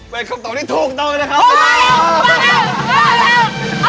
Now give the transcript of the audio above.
เป็นคำตอบที่ถูกต้องนะครับ